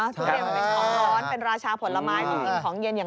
ทุเรียนเข้าไปหอลอร้อนเป็นราชาผลไม้หรือกินถองเย็น